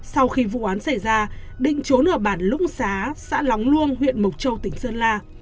sau khi vụ án xảy ra định trốn ở bản lũng xá xã lóng luông huyện mộc châu tỉnh sơn la